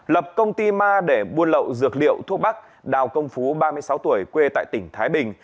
lập công ty ma để buôn lậu dược liệu thuốc bắc đào công phú ba mươi sáu tuổi quê tại tỉnh thái bình